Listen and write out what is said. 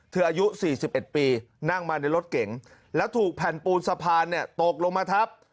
อายุ๔๑ปีนั่งมาในรถเก๋งแล้วถูกแผ่นปูนสะพานตกลงมาทับ